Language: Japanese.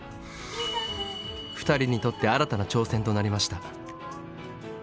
２人にとって新たな挑戦となりました。